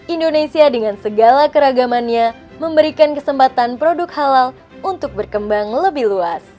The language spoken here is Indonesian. indonesia dengan segala keragamannya memberikan kesempatan produk halal untuk berkembang lebih luas